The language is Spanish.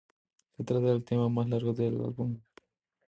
Se trata del tema más largo del álbum.